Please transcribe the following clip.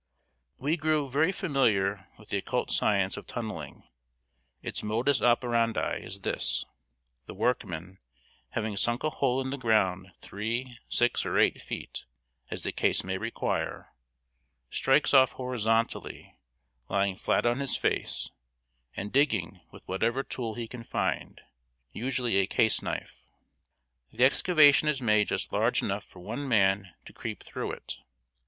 ] We grew very familiar with the occult science of tunneling. Its modus operandi is this: the workman, having sunk a hole in the ground three, six, or eight feet, as the case may require, strikes off horizontally, lying flat on his face, and digging with whatever tool he can find usually a case knife. The excavation is made just large enough for one man to creep through it.